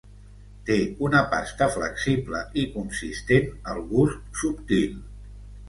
Té una pasta flexible i consistent al gust subtil.